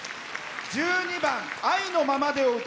１２番「愛のままで」のぬの